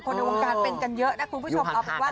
คนในวงการเป็นกันเยอะนะคุณผู้ชม